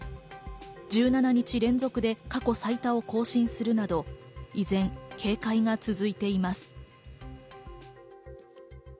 １７日連続で過去最多を更新するなど、依然警戒が続いています。